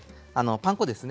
パン粉ですね。